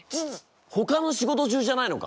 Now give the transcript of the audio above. ほかの仕事中じゃないのか！？